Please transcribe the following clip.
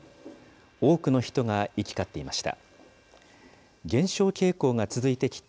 多くの人が行き交っていました。